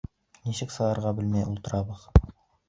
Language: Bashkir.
Нисек сығырға белмәй ултырабыҙ...